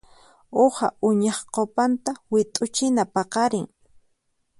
Uha uñaq cupanta wit'uchina paqarin.